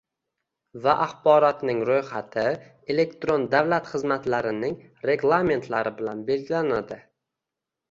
va axborotning ro‘yxati elektron davlat xizmatlarining reglamentlari bilan belgilanadi.